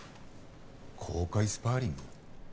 「公開スパーリング」？